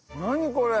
これ。